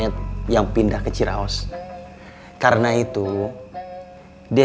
sampai jumpa di sini